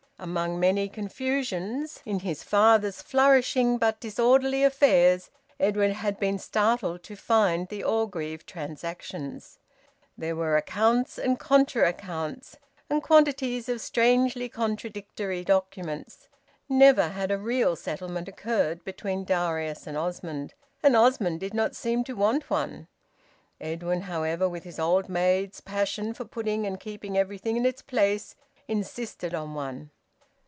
Among many confusions in his father's flourishing but disorderly affairs, Edwin had been startled to find the Orgreave transactions. There were accounts and contra accounts, and quantities of strangely contradictory documents. Never had a real settlement occurred between Darius and Osmond. And Osmond did not seem to want one. Edwin, however, with his old maid's passion for putting and keeping everything in its place, insisted on one.